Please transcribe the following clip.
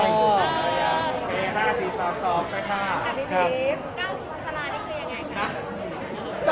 อาทิตย์๙๐ธนาทีคือยังไงคะ